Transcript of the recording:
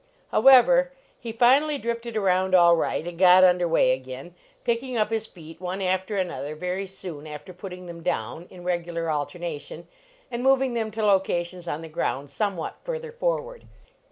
However, he finally drifted around all right, and got under way again, picking up his feet, one after another, very soon after putting them down, in regular alternation, and moving them to locations on the ground somewhat further forward.